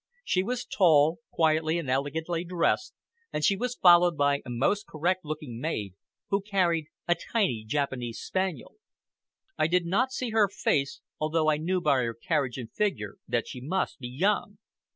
She was tall, quietly and elegantly dressed, and she was followed by a most correct looking maid, who carried a tiny Japanese spaniel. I did not see her face, although I knew by her carriage and figure that she must be young.